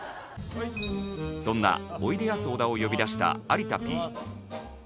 そんなおいでやす小田を呼び出した有田Ｐ。